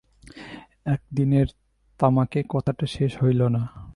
একদিনের তামাকে কথাটা শেষ হইল না।